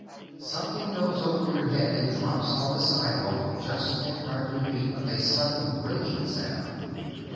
Something goes over your head and drops on the sidewalk just in front of your feet, with a sudden ringing sound.